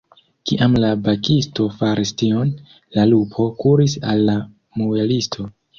Kiam la bakisto faris tion, la lupo kuris al la muelisto.